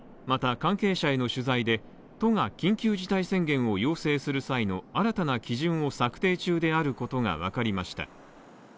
また、関係者への取材で、都が緊急事態宣言を要請する際の新たな基準を策定中であることが分かりました。